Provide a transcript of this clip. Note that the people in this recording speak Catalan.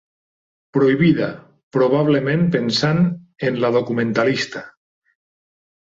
Prohibida, probablement pensant en la documentalista.